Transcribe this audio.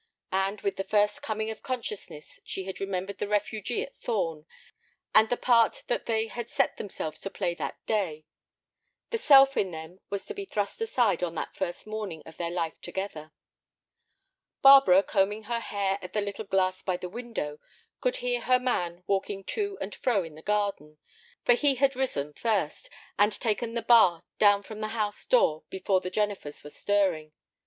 And with the first coming of consciousness she had remembered the refugee at Thorn and the part that they had set themselves to play that day. The "self" in them was to be thrust aside on that first morning of their life together. Barbara, combing her hair at the little glass by the window, could hear her man walking to and fro in the garden; for he had risen first, and taken the bar down from the house door before the Jennifers were stirring.